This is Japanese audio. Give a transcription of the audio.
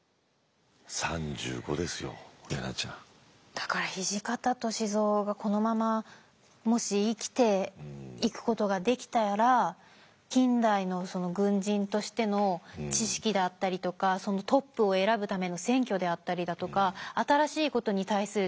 だから土方歳三がこのままもし生きていくことができたら近代の軍人としての知識だったりとかトップを選ぶための選挙であったりだとか新しいことに対する知見